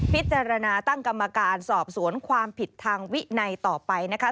พิจารณาตั้งกรรมการสอบสวนความผิดทางวินัยต่อไปนะคะ